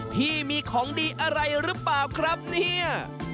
พี่มีของดีอะไรหรือเปล่าครับเนี่ย